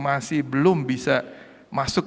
masih belum bisa masuk